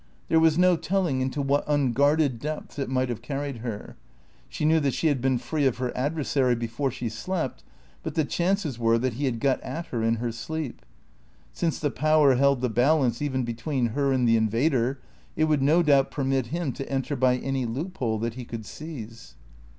There was no telling into what unguarded depths it might have carried her. She knew that she had been free of her adversary before she slept, but the chances were that he had got at her in her sleep. Since the Power held the balance even between her and the invader, it would no doubt permit him to enter by any loophole that he could seize.